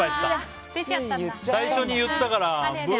最初に言ったから。